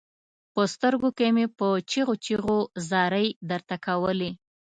په سترګو کې مې په چيغو چيغو زارۍ درته کولې.